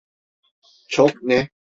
Çok ne?